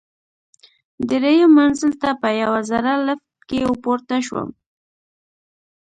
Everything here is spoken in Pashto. درېیم منزل ته په یوه زړه لفټ کې ورپورته شوم.